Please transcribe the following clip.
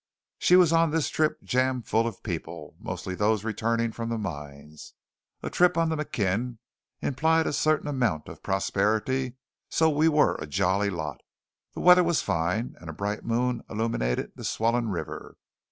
She was on this trip jammed full of people, mostly those returning from the mines. A trip on the McKim implied a certain amount of prosperity, so we were a jolly lot. The weather was fine, and a bright moon illuminated the swollen river.